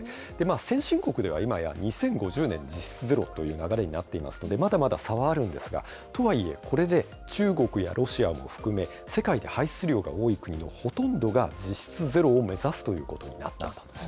先進国では今や、２０５０年実質ゼロという流れになっていますので、まだまだ差はあるんですが、とはいえ、これで中国やロシアも含め、世界で排出量が多い国のほとんどが、実質ゼロを目指すということになったんです。